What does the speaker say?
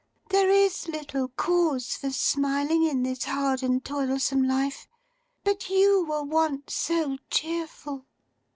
There is little cause for smiling in this hard and toilsome life, but you were once so cheerful.